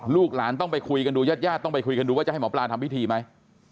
ลูกหลานต้องไปคุยกันดูญาติญาติต้องไปคุยกันดูว่าจะให้หมอปลาทำพิธีไหม